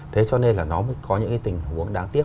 thế cho nên là nó có những tình huống đáng tiếc